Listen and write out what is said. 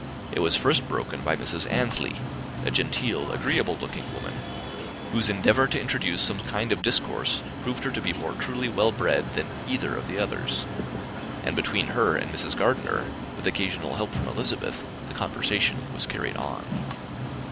It was first broken by Mrs. Annesley, a genteel, agreeable looking woman, whose endeavour to introduce some kind of discourse proved her to be more truly well bred than either of the others; and between her and Mrs. Gardiner, with occasional help from Elizabeth, the conversation was carried on.